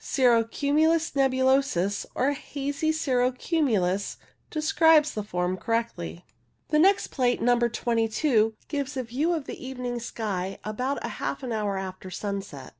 Cirro cumulus nebulosus, or hazy cirro cumulus, describes the form correctly. The next plate, No. 22, gives a view of an evening sky about half an hour after sunset.